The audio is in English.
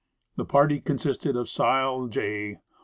The party consisted of Sile J.